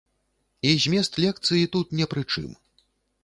І змест лекцыі тут не пры чым.